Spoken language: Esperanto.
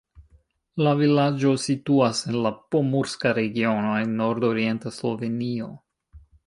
La vilaĝo situas en la Pomurska regiono en nordorienta Slovenio.